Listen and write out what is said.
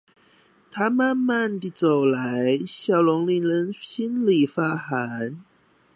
它慢慢地走來，笑容令人心裡發寒